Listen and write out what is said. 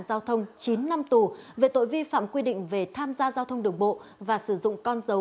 giao thông chín năm tù về tội vi phạm quy định về tham gia giao thông đường bộ và sử dụng con dấu